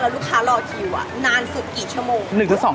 ลูกค้ารอคิวนานสุดกี่ชั่วโมง